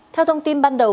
theo thông tin ban đầu